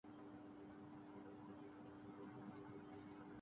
سابق کپتان شاہد خان فریدی اپنی سابق فرنچائز پشاور زلمی سے نالاں